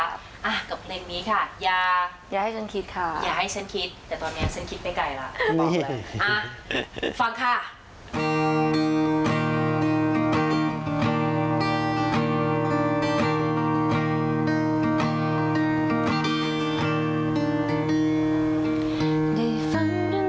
อ้าวกับเพลงนี้ค่ะอย่าอย่าให้ฉันคิดค่ะอย่าให้ฉันคิด